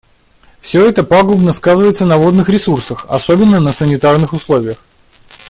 Все это пагубно сказывается на водных ресурсах, особенно на санитарных условиях.